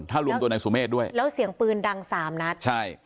ถ้ารวมตัวนายสุเมฆด้วยแล้วเสียงปืนดังสามนัดใช่